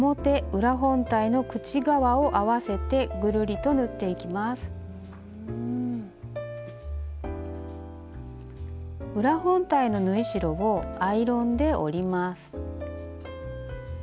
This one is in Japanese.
裏本体の縫い代をアイロンで折ります。